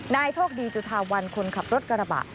โชคดีจุธาวันคนขับรถกระบะ